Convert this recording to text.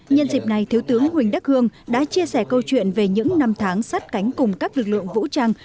nhân dịp này thiếu tướng huỳnh đắc hương đã chia sẻ câu chuyện về những năm tháng sát cánh cùng các lực lượng vũ trang